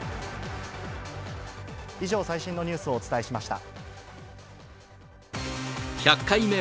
以上、最新のニュースをお伝えしました。